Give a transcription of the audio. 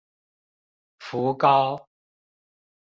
福高